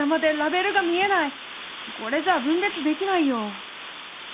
これじゃ分別できないよ。